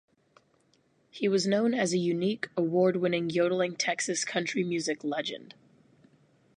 He was known as a unique, award-winning yodeling Texas country music legend.